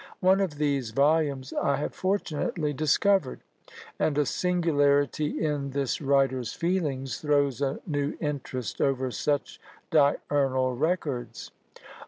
One of these volumes I have fortunately discovered, and a singularity in this writer's feelings throws a new interest over such diurnal records.